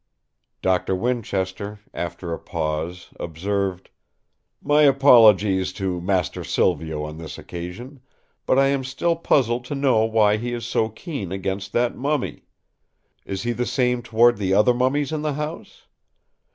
'" Doctor Winchester after a pause observed: "My apologies to master Silvio on this occasion; but I am still puzzled to know why he is so keen against that mummy. Is he the same toward the other mummies in the house?